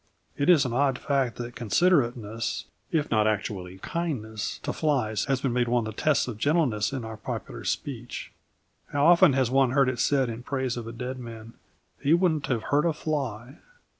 It is an odd fact that considerateness, if not actually kindness, to flies has been made one of the tests of gentleness in popular speech. How often has one heard it said in praise of a dead man: "He wouldn't have hurt a fly!"